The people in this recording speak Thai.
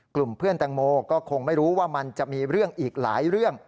กลุ่มเพื่อนแตงโมก็คงไม่รู้ว่ามันจะมีเรื่องอีกหลายเรื่อง